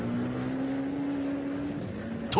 ［と］